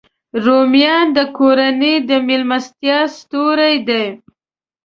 رومیان د کورنۍ د میلمستیا ستوری دی